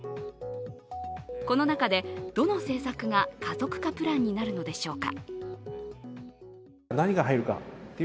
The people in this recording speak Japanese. この中で、どの政策が加速化プランになるのでしょうか。